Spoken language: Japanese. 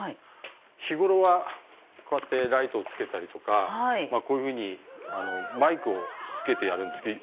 日頃はこうやってライトをつけたりとかこういうふうにマイクを着けてやるんですけど。